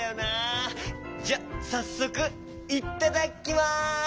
じゃさっそくいっただきます！